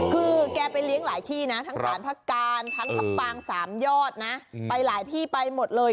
คือแกไปเลี้ยงหลายที่นะทั้งสารพระการทั้งพระปางสามยอดนะไปหลายที่ไปหมดเลย